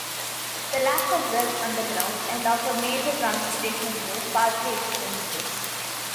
The lack of wealth underground and of a major transportation route partly explains this.